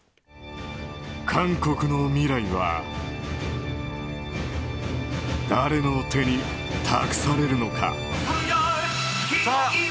韓国の未来は誰の手に託されるのか。